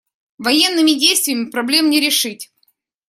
Военными действиями проблем не решить.